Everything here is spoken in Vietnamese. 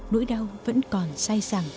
nỗi đau vẫn còn say sẵn